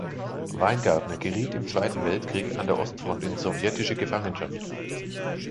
Weingartner geriet im Zweiten Weltkrieg an der Ostfront in sowjetische Gefangenschaft.